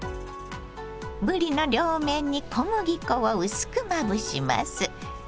ぶりの両面に小麦粉を薄くまぶします。